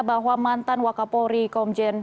bahwa mantan wakapolri komjen